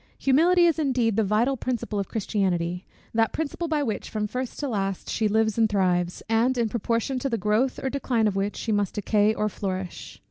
Humility is indeed the vital principle of Christianity; that principle by which from first to last she lives and thrives, and in proportion to the growth or decline of which she must decay or flourish.